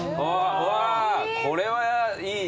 わあこれはいいね。